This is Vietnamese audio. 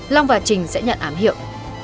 long và trình sẽ nhận ám hiểu